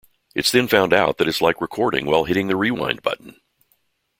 It's then found out that it's like recording while hitting the rewind button.